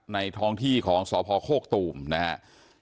ในท้องที่ของสพโฆตุ่มนะครับ